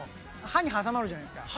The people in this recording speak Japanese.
歯に挟まるじゃないですか。